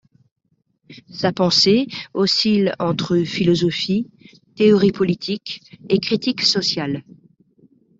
Sa pensée oscille entre philosophie, théorie politique et critique sociale.